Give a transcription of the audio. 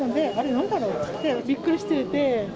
なんだろうって言ってびっくりしていて。